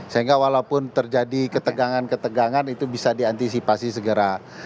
sehingga walaupun terjadi ketegangan ketegangan itu bisa diantisipasi segera